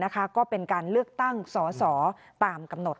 ก็เป็นการเลือกตั้งสอสอตามกำหนด